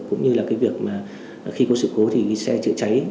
cũng như là khi có sự cố thì xe chữa cháy